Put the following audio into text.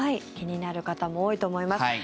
気になる方も多いと思います。